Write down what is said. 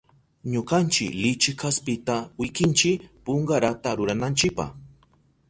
Ñukanchi lichi kaspita wikinchi punkarata rurananchipa.